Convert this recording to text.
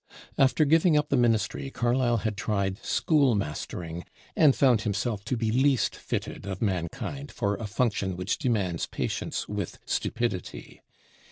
After giving up the ministry, Carlyle had tried "schoolmastering" and found himself to be least fitted of mankind for a function which demands patience with stupidity.